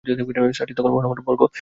শাস্ত্রী তখন বর্ণমালার বর্গ শুরু করলে।